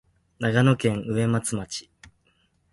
長野県上松町